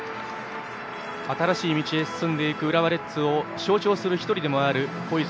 新しい道へ進んでいく浦和レッズを象徴する１人でもある小泉